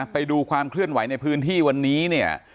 ไปดูความเคลื่อนไหวในพื้นที่วันนี้เนี่ย